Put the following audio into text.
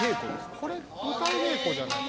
これ舞台稽古じゃないかな。